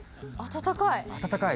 暖かい。